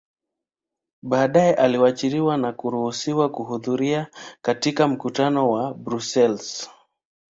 Badae aliachiliwa na kuruhusiwa kuhudhuria katika mkutano wa Brussels